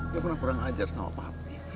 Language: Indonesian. dia pernah kurang ajar sama papi